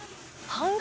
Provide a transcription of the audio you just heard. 半額？